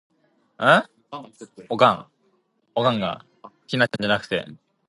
Now it is about to end.